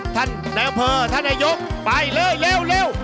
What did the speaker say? ท่านแนวเพอท่านไอยกไปเร็วเร็วเร็ว